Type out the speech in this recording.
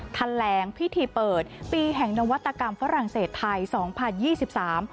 แถลงพิธีเปิดปีแห่งนวัตกรรมฝรั่งเศสไทยสองพันยี่สิบสาม